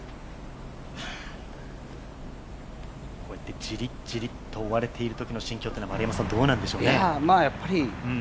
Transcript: こうやってじりじり追われているときの心境っていうのはどうなんでしょうね。